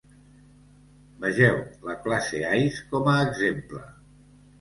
Vegeu la classe Ice com a exemple.